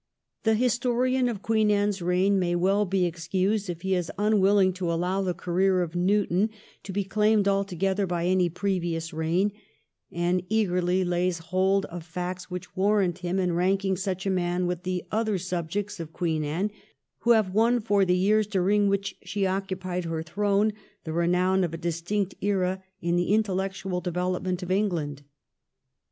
The historian of Queen Anne's reign may well be excused if he is unwilling to allow the career of Newton to be claimed altogether by any previous reign, and eagerly lays hold of facts which warrant him in ranking such a man with the other subjects of Queen Anne who have won for the years during which she occupied her throne the renown of a distinct era in the intellectual development of England.